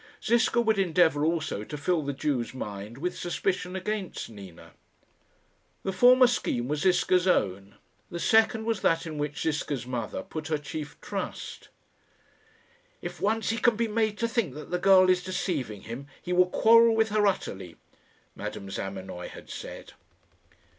Ziska would endeavour also to fill the Jew's mind with suspicion against Nina. The former scheme was Ziska's own; the second was that in which Ziska's mother put her chief trust. "If once he can be made to think that the girl is deceiving him, he will quarrel with her utterly," Madame Zamenoy had said.